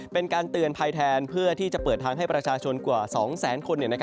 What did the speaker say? เป็นการเตือนภัยแทนเพื่อที่จะเปิดทางให้ประชาชนกว่า๒แสนคน